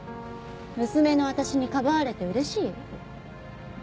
娘の私にかばわれて嬉しい？